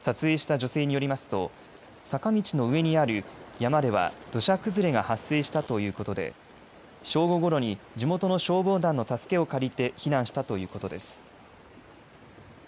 撮影した女性によりますと坂道の上にある山では土砂崩れが発生したということで正午ごろに地元の消防団の助けを借りて避難したということです。